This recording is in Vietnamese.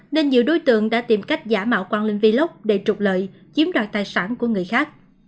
nên nhiều đối tượng đã tìm cách giả mạo quang linh vlog để trục lợi chiếm đoạt tài sản của người khác